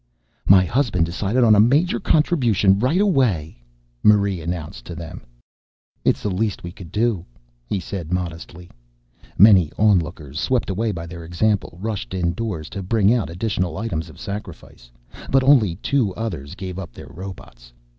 "My husband decided on a major contribution right away," Marie announced to them. "It's the least we could do," he said modestly. Many onlookers, swept away by their example, rushed indoors to bring out additional items of sacrifice. But only two others gave up their robots.